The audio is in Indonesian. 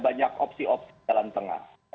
banyak opsi opsi di dalam tengah